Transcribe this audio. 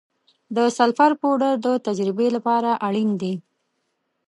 د سلفر پوډر د تجربې لپاره اړین دی.